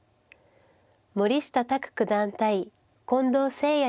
森下卓九段対近藤誠也七段。